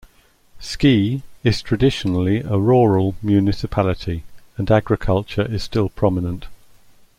Ski is traditionally a rural municipality, and agriculture is still prominent.